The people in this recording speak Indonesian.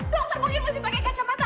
dokter mungkin masih pakai kacamata